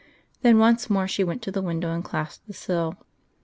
Then once more she went to the window and clasped the sill.